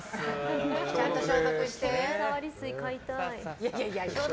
ちゃんと消毒して。